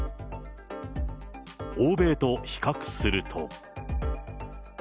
欧米と比較すると。